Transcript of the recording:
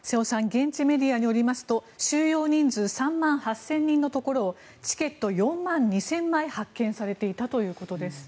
現地メディアによりますと収容人数３万８０００人のところをチケット４万２０００枚発券されていたということです。